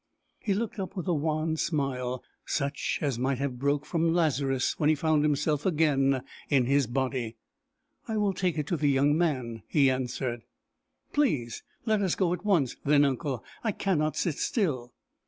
He looked up with a wan smile, such as might have broke from Lazarus when he found himself again in his body. "I will take it to the young man," he answered. "Please, let us go at once then, uncle! I cannot sit still."